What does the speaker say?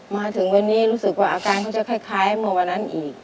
มาถึงวันนี้รู้สึกว่าอาการเขาจะคล้ายเมื่อวันนั้นอีก